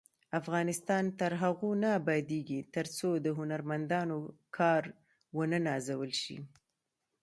افغانستان تر هغو نه ابادیږي، ترڅو د هنرمندانو کار ونه نازول شي.